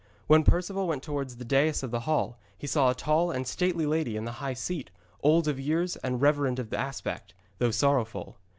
When Perceval went towards the dais of the hall he saw a tall and stately lady in the high seat, old of years and reverend of aspect, though sorrowful.